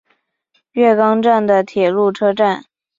月冈站的铁路车站。